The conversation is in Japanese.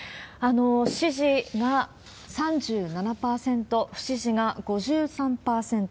支持が３７％、不支持が５３％。